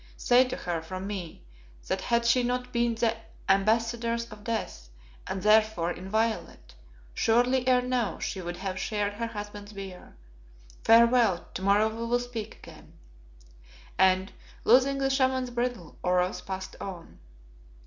Say to her, from me, that had she not been the ambassadress of death, and, therefore, inviolate, surely ere now she would have shared her husband's bier. Farewell, tomorrow we will speak again," and, loosing the Shaman's bridle, Oros passed on.